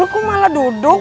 lu kok malah duduk